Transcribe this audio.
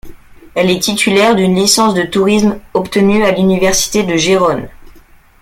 Elle est titulaire d'une licence de tourisme obtenue à l'université de Gérone.